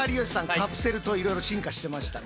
カプセルトイいろいろ進化してましたね。